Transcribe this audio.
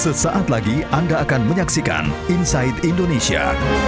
sesaat lagi anda akan menyaksikan inside indonesia